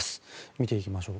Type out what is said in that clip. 見ていきましょう。